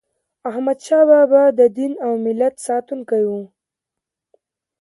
احمدشاه بابا د دین او ملت ساتونکی و.